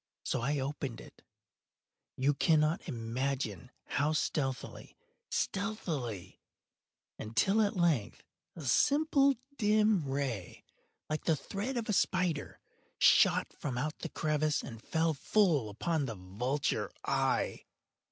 So I opened it—you cannot imagine how stealthily, stealthily—until, at length a simple dim ray, like the thread of the spider, shot from out the crevice and fell full upon the vulture eye.